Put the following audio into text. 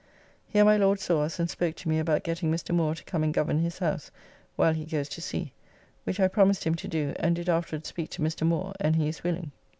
Here my Lord saw us and spoke to me about getting Mr. Moore to come and govern his house while he goes to sea, which I promised him to do and did afterwards speak to Mr. Moore, and he is willing.